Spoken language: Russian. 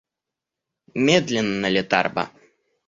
Медленна лет арба.